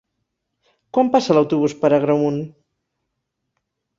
Quan passa l'autobús per Agramunt?